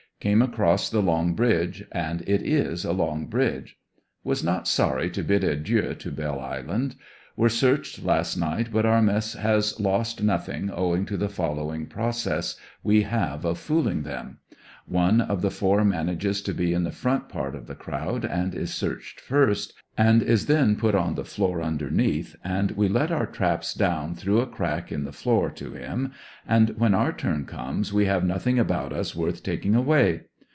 Came across the "long bridge," and it is a long bridge. Was not sorry to bid adieu to Belle Isle Were searched last ni^ht but our mess has lost nothing, owing to the following process we have of fooling them; One of the four manages to be in the front part of the crowd and is searched first, and is then put on the floor underneath and we let our traps down through a crack in the floor to him, and when our turn comes we have nothing about us worth taking away.